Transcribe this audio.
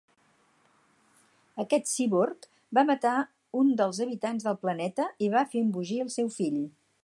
Aquest cíborg va matar un dels habitants del planeta i va fer embogir el seu fill.